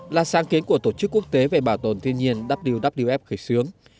đăng kiến của tổ chức quốc tế về bảo tồn thiên nhiên wwf khởi xướng